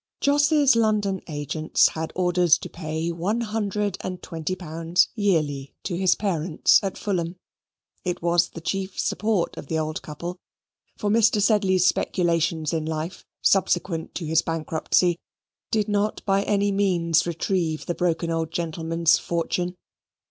Jos's London agents had orders to pay one hundred and twenty pounds yearly to his parents at Fulham. It was the chief support of the old couple; for Mr. Sedley's speculations in life subsequent to his bankruptcy did not by any means retrieve the broken old gentleman's fortune.